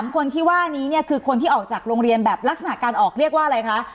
คนที่ว่านี้เนี่ยคือคนที่ออกจากโรงเรียนแบบลักษณะการออกเรียกว่าอะไรคะ